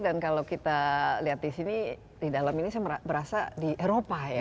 dan kalau kita lihat di sini di dalam ini saya merasa di eropa ya